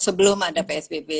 sebelum ada psbb